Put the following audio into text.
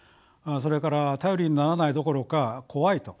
それから頼りにならないどころか怖いと。